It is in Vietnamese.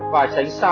và tránh xa